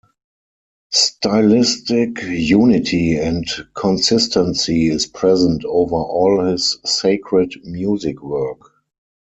Stylistic unity and consistency is present over all his sacred music work.